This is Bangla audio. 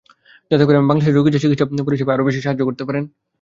যাতে করে বাংলাদেশের রোগীরা চিকিৎসা পরিষেবায় আরও বেশি করে সাহায্য পেতে পারেন।